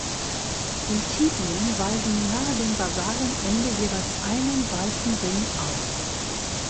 Die Tibien weisen nahe dem basalen Ende jeweils einen weißen Ring auf.